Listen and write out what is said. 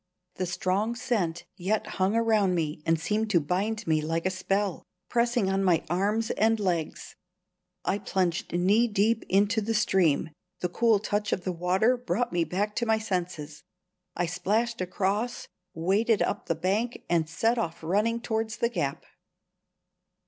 The strong scent yet hung around me and seemed to bind me like a spell, pressing on my arms and logs. I plunged knee deep into the stream. The cool touch of the water brought me to my senses. I splashed across, waded up the bank, and set off running towards the gap.